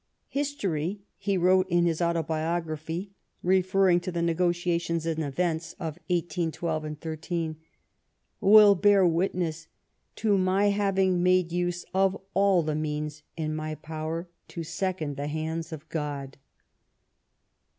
" History," he wrote in his Autobiography, referring to the negotiations and events of 1812 3, " will bear witness to my having made use of all the means in my power to second the hands of God."